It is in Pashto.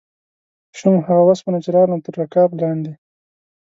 شوم هغه اوسپنه چې راغلم تر رکاب لاندې